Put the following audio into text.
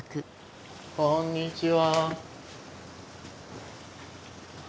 こんにちは。